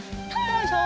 よいしょ！